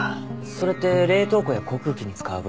それって冷凍庫や航空機に使う油？